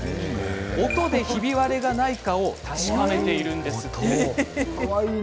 音でひび割れがないかを確かめているんです。